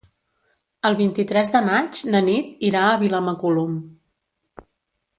El vint-i-tres de maig na Nit irà a Vilamacolum.